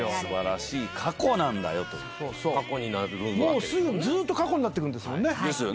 もうすぐずーっと過去になってくんですもんね。